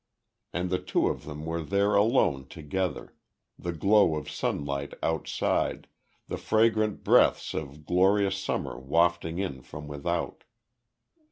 And the two of them were there alone together; the glow of sunlight outside, the fragrant breaths of glorious summer wafting in from without.